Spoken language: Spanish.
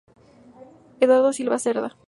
Eduardo Silva Cerda.